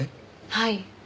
はい。